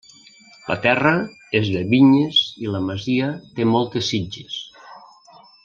La terra és de vinyes i la masia té moltes sitges.